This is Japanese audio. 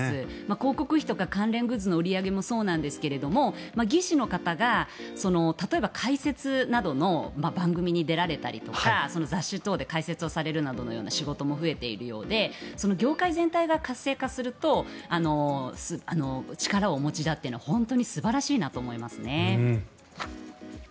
広告費とか、関連グッズの売り上げもそうなんですけども棋士の方が例えば解説などの番組に出られたりとか雑誌等で解説をされるような仕事も増えているようで業界全体が活性化する力をお持ちだというのは本当に素晴らしいなと思いますね。